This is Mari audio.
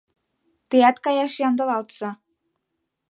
Теат каяш ямдылалтса!